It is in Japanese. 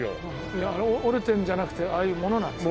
いやあれ折れてんじゃなくてああいうものなんですね。